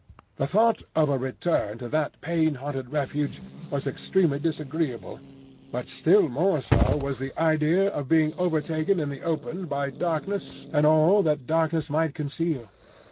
The thought of a return to that pain haunted refuge was extremely disagreeable, but still more so was the idea of being overtaken in the open by darkness and all that darkness might conceal.